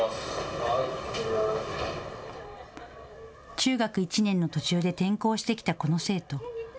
中学１年の途中で転校してきたこの生徒。